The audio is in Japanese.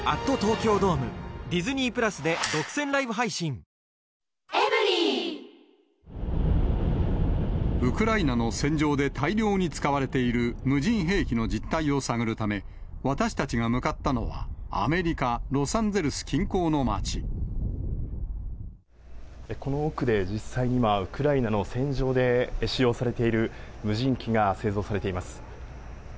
今、われわれを追跡してきたウクライナの戦場で大量に使われている無人兵器の実態を探るため、私たちが向かったのは、この奥で実際に今、ウクライナの戦場で使用されている無人機が製造されています。